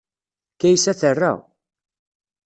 Kaysa terra.